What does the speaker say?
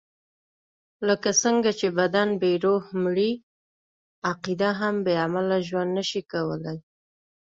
لکه څنګه چې بدن بې روح مري، عقیده هم بې عمله ژوند نشي کولای.